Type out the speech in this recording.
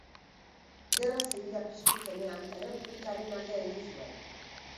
Gerra Zibila piztu zenean, Errepublikaren alde egin zuen.